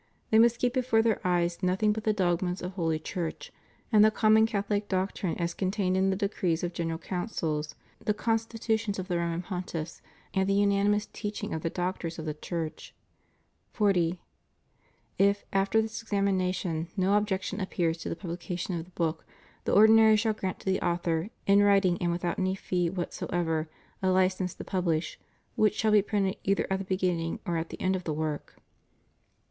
They must keep before their eyes nothing but the dogmas of Holy Church, and the common Catholic doctrine as contained in the decrees of General Councils, the Constitutions of the Roman Pontiffs, and the unanimous teaching of the Doctors of the Church. 40. If, after this examination, no objection appears to the publication of the book, the ordinary shall grant to the author, in writing and without any fee whatsoever, a license to publish, which shall be printed either at the beginning or at the end of the work.